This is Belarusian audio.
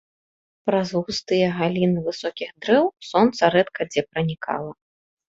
Праз густыя галіны высокіх дрэў сонца рэдка дзе пранікала.